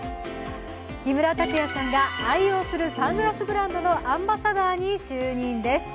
木村拓哉さんが愛用するサングラスブランドのアンバサダーに就任です。